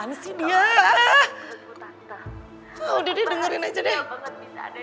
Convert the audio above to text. udah deh dengerin aja deh